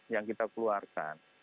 yang kita keluarkan